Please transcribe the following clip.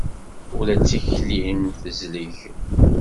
Ula d tikli-m tezleg.